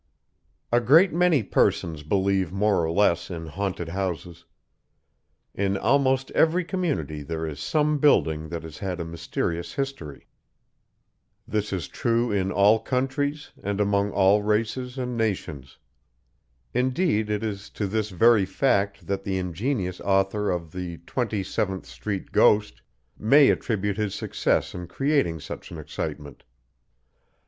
A great many persons believe more or less in haunted houses. In almost every community there is some building that has had a mysterious history. This is true in all countries, and among all races and nations. Indeed it is to this very fact that the ingenious author of the "Twenty seventh street Ghost" may attribute his success in creating such an excitement.